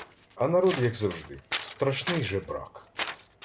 А народ, як завжди, страшний жебрак